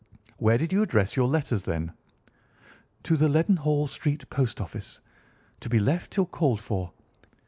"Where did you address your letters, then?" "To the Leadenhall Street Post Office, to be left till called for.